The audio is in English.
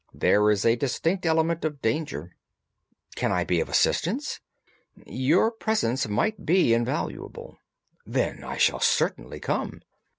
There is a distinct element of danger." "Can I be of assistance?" "Your presence might be invaluable." "Then I shall certainly come."